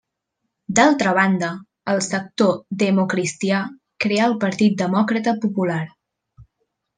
D'altra banda, el sector democristià creà el Partit Demòcrata Popular.